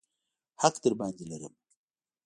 حق درباندې لرمه.